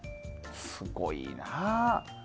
すごいな。